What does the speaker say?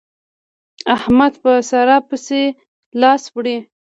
احمد په سارا پسې لاس وړي.